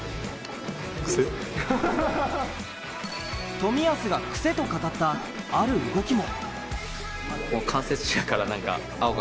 冨安が癖と語った、ある動きも。